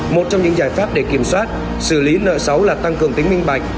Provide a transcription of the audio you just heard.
một trong những giải pháp để kiểm soát xử lý nợ xấu là tăng cường tính minh bạch